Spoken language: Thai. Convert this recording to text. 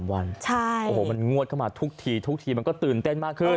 ๑๓วันมันงวดเข้ามาทุกทีมันก็ตื่นเต้นมากขึ้น